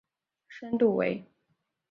深度为。